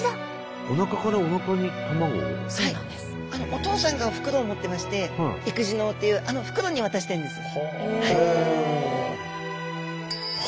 お父さんが袋を持ってまして育児嚢というあの袋に渡してるんです。